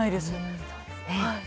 そうですね。